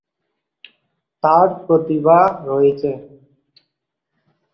তাঁর প্রতিভা রয়েছে।